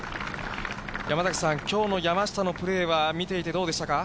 山崎さん、きょうの山下のプレーを見ていてどうでしたか？